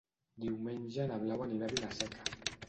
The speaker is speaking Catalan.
Diumenge na Blau anirà a Vila-seca.